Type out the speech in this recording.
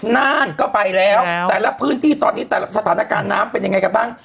น่านก็ไปแล้วแต่ละพื้นที่ตอนนี้แต่ละสถานการณ์น้ำเป็นยังไงกันบ้าง